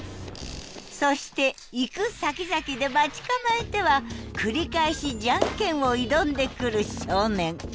そして行くさきざきで待ち構えては繰り返し「ジャンケン」を挑んでくる少年。